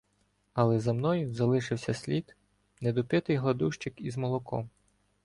Але за мною залишився слід — недопитий гладущик із молоком.